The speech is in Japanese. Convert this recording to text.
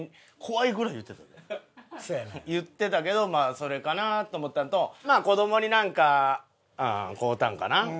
言ってたけどまあそれかなと思ったのとまあ子どもになんか買うたんかな。